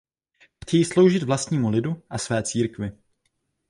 Chtějí sloužit vlastnímu lidu a své církvi.